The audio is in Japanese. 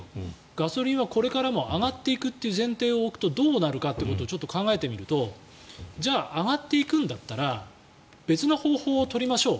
ガソリンはこれからも上がっていくという前提を置くとどうなるかということを考えてみるとじゃあ、上がっていくんだったら別の方法を取りましょう。